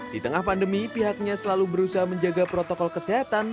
di tengah pandemi pihaknya selalu berusaha menjaga protokol kesehatan